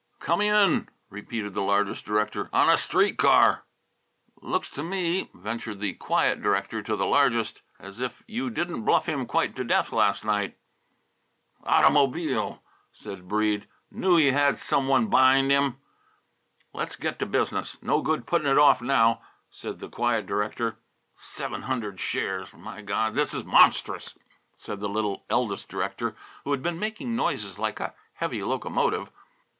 "Come in," repeated the largest director; "on a street car!" "Looks to me," ventured the quiet director to the largest, "as if you didn't bluff him quite to death last night." "Aut'mobile!" said Breede. "Knew he had some one b'ind him." "Let's get to business. No good putting it off now," said the quiet director. "Seven hundred shares! My God! This is monstrous!" said the little eldest director, who had been making noises like a heavy locomotive.